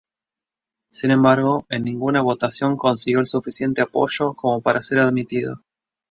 Sin embargo, en ninguna votación consiguió el suficiente apoyo como para ser admitido.